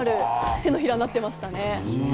手のひらになっていました。